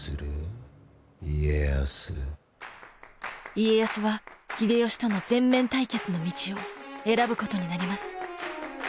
家康は秀吉との全面対決の道を選ぶことになります。